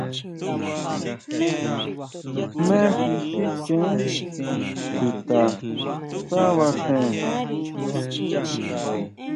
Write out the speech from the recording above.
¿Jme xi sichjén chuta xá basén?